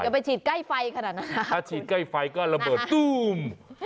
ไปฉีดใกล้ไฟขนาดนั้นถ้าฉีดใกล้ไฟก็ระเบิดตู้ม